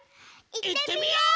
いってみよう！